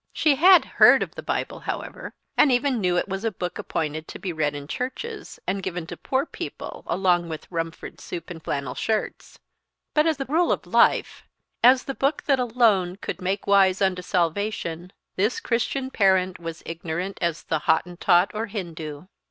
She had heard of the Bible, however, and even knew it was a book appointed to be read in churches, and given to poor people, along with Rumford soup and flannel shirts; but as the rule of life, as the book that alone could make wise unto salvation, this Christian parent was ignorant as the Hottentot or Hindoo.